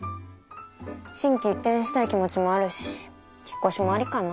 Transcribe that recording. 心機一転したい気持ちもあるし引っ越しもありかなあ。